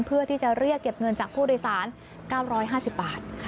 เพื่อที่จะเรียกเก็บเงินจากผู้โดยสาร๙๕๐บาท